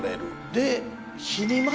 で。